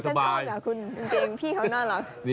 ฉันชอบนะคุณกางเกงพี่เขาน่ารัก